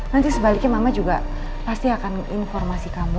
nanti sebaliknya mama juga pasti akan informasi kamu